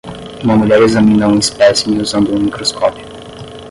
Uma mulher examina um espécime usando um microscópio